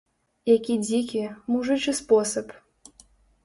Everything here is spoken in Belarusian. Які дзікі, мужычы спосаб.